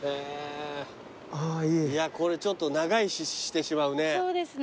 いやこれちょっと長居してしまうね。